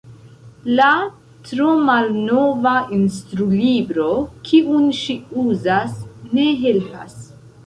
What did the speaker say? La tromalnova instrulibro, kiun ŝi uzas, ne helpas.